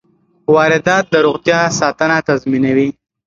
واردات د روغتیا ساتنه تضمینوي.